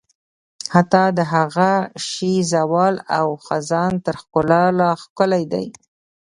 حتی د هغه شي زوال او خزان تر ښکلا لا ښکلی دی.